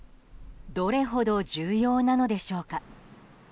どれほど重要なのでしょうか。